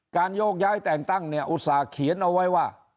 โยกย้ายแต่งตั้งเนี่ยอุตส่าห์เขียนเอาไว้ว่า